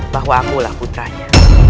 bahwa akulah putranya